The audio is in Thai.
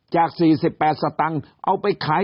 จาก๔๘สตังค์เอาไปขาย